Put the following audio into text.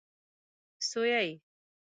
سويي